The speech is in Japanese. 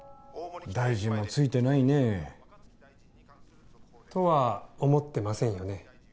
大臣もついてないねえ。とは思ってませんよね。